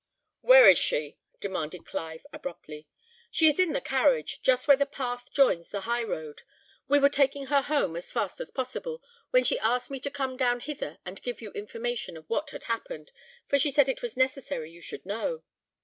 "Where is she?" demanded Clive, abruptly. "She is in the carriage, just where the path joins the high road. We were taking her home as fast as possible, when she asked me to come down hither, and give you information of what had happened, for she said it was necessary you should know."